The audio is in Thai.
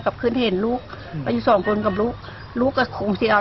กลับคืนเห็นลูกมันอยู่สองคนกับลูกลูกก็คงสี่เอา